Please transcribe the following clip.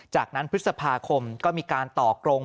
จากนั้นพฤษภาคมก็มีการต่อกรง